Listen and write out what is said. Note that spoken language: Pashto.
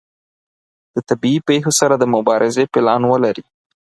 د طبیعي پیښو سره د مبارزې پلان ولري.